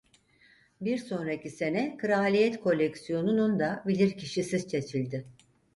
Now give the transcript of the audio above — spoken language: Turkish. Bir sonraki sene Kraliyet Koleksiyonu'nun da bilirkişisi seçildi.